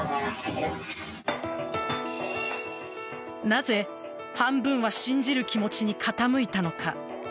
なぜ、半分は信じる気持ちに傾いたのか。